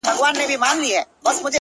په يو خـمـار په يــو نـسه كــي ژونــدون-